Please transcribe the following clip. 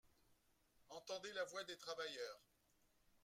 Entendez la voix des travailleurs